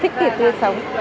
thích thịt tươi sống